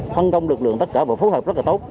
phân công lực lượng tất cả và phối hợp rất là tốt